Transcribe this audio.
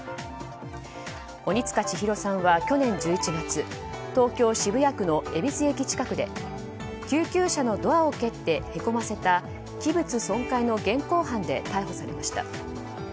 鬼束ちひろさんは去年１１月東京・渋谷区の恵比寿駅近くで救急車のドアを蹴ってへこませた器物損壊の現行犯で逮捕されました。